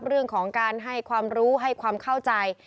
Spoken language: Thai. เรื่องของการให้ความรู้ให้ความเข้าใจ